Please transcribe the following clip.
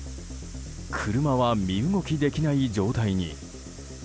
車は身動きできない状態に。